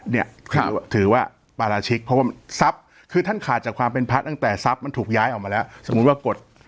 เนี่ยคือถือว่าปราชิกเพราะว่าทรัพย์คือท่านขาดจากความเป็นพระตั้งแต่ทรัพย์มันถูกย้ายออกมาแล้วสมมุติว่ากฎ